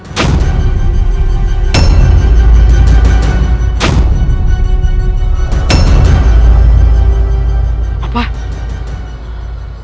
sedang ditahan oleh